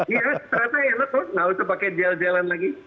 ya serasa enak lho nggak usah pakai jalan jalan lagi